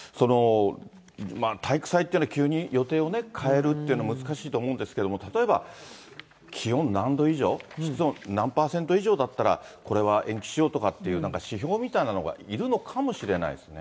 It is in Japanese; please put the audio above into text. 体育祭っていうのは、急に予定を変えるっていうの、難しいと思うんですけれども、例えば、気温何度以上、湿度何％以上だったら、これは延期しようとかっていう、なんか指標みたいなのがいるのかもしれないですね。